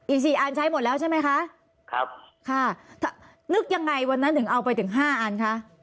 อีกสี่อันใช้หมดแล้วใช่ไหมคะครับค่ะนึกยังไงวันนั้นถึงเอาไปถึงห้าอันคะ